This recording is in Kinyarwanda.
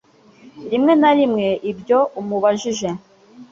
rimwe na rimwe ibyo umubajije